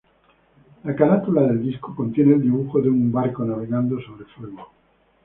La carátula del disco contiene el dibujo de un barco navegando sobre fuego.